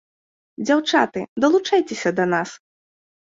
Дзяўчаты, далучайцеся да нас.